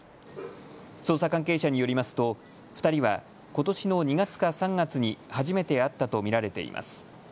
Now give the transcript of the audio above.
捜査関係者によりますと２人はことしの２月か３月に初めて会ったと見られています。